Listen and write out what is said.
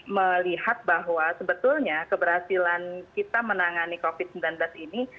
melihat bahwa sebetulnya keberhasilan kita menangani covid sembilan belas ini